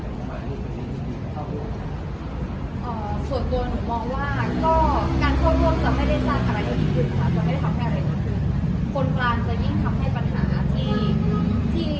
คนกลางจะยิ่งทำให้ปัญหาที่